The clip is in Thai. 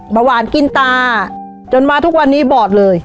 เบาหวานกินตาจนมาทุกวันนี้บอดเลย